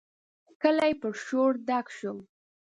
کلی پر شور ډک شو.